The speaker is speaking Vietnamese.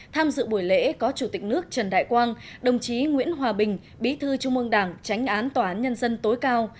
tham dự buổi lễ có chủ tịch nước trần đại quang đồng chí nguyễn hòa bình bí thư trung ương đảng tránh án tòa án nhân dân tối cao